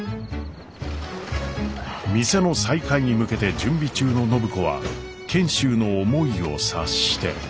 店の再開に向けて準備中の暢子は賢秀の思いを察して。